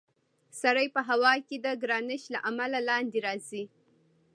سړی په هوا کې د ګرانش له امله لاندې راځي.